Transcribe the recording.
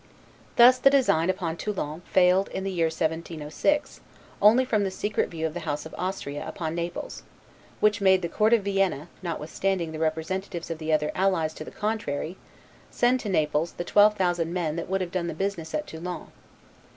Thus, the design upon Toulon failed in the year 1706, only from the secret view of the House of Austria upon Naples: which made the Court of Vienna, notwithstanding the representations of the other allies to the contrary, send to Naples the 12,000 men that would have done the business at Toulon.